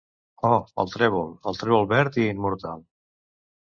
Oh, el Trèvol, el Trèvol verd i immortal!